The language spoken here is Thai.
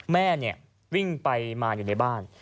แม่เนี่ยวิ้งไปไม่อยู่ในบ้าน